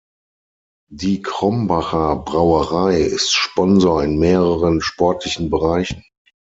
Die Krombacher Brauerei ist Sponsor in mehreren sportlichen Bereichen.